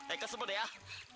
aku sebel deh